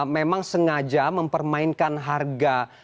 memang sengaja mempermainkan harga